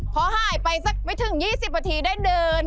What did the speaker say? พอหายไปสักไม่ถึง๒๐นาทีได้เดิน